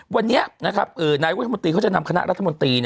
วันนี้นะครับนายกวนยธมตีเขาจะนำคณะรัฐมนตี